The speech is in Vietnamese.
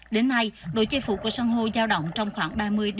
đến nay đội chê phụ của sang hô giao động trong khoảng ba mươi năm mươi